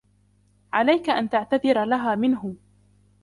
عليك أن تعتذر لها منه.